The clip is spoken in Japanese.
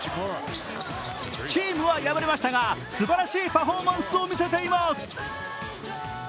チームは敗れましたがすばらしいパフォーマンスを見せています。